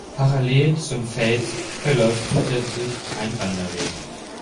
Parallel zum Fels verläuft zusätzlich ein Wanderweg.